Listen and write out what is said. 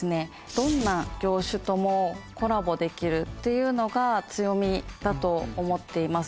どんな業種ともコラボできるっていうのが強みだと思っています。